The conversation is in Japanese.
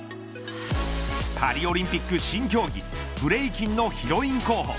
パリオリンピック新競技ブレイキンのヒロイン候補